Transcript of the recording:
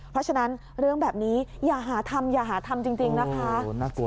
เพราะฉะนั้นเรื่องแบบนี้อย่าหาทำอย่าหาทำจริงนะคะ